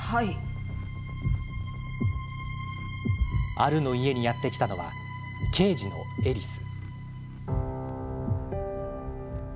アルの家にやって来たのは刑事のエリス。